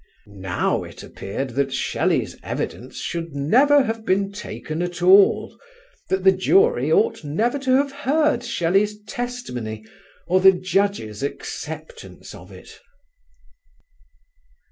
Now it appeared that Shelley's evidence should never have been taken at all, that the jury ought never to have heard Shelley's testimony or the Judge's acceptance of it!